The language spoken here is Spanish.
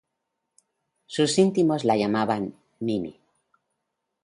Sus íntimos la llamaban "Mimi".